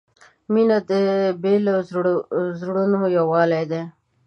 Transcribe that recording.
• مینه د بېلو زړونو یووالی دی.